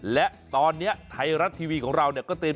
และตอนนี้ไทยรัฐทีวีของเราเนี่ยก็เตรียม